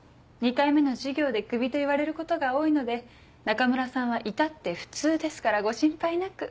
２回目の授業でクビと言われることが多いので中村さんは至って普通ですからご心配なく。